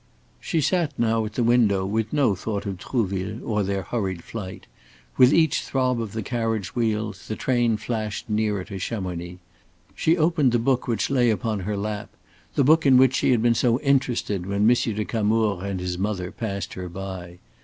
She sat now at the window with no thought of Trouville or their hurried flight. With each throb of the carriage wheels the train flashed nearer to Chamonix. She opened the book which lay upon her lap the book in which she had been so interested when Monsieur de Camours and his mother passed her by.